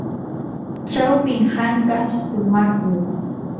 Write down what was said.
chawpi hanka shumaqmi.